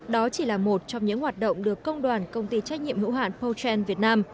đó chỉ là một trong những hoạt động được công đoàn công ty trách nhiệm hữu hạn pouchen việt nam